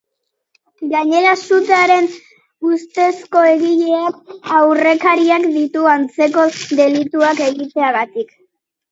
Gainera, sutearen ustezko egileak aurrekariak ditu, antzeko delituak egiteagatik.